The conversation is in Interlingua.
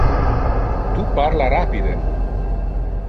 Tu parla rapide.